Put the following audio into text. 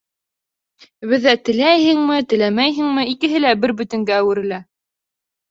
Беҙҙә, теләйһеңме, теләмәйһеңме, икеһе бер бөтөнгә әүерелә.